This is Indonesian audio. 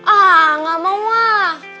ah gak mau mah